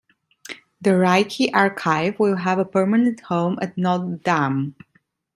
The Rickey archive will have a permanent home at Notre Dame.